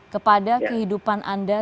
kepada kehidupan anda